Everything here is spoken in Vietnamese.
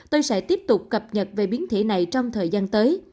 tôi sẽ tiếp tục cập nhật về biến thể này trong thời gian tới